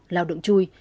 lao động chui